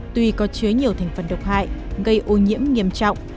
tuy có chứa nhiều thành phần độc hại gây ô nhiễm nghiêm trọng